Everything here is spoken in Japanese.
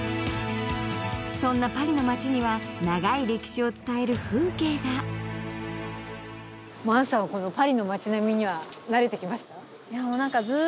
そんなパリの街には長い歴史を伝える風景がもう杏さんはこのパリの街並みには慣れてきました？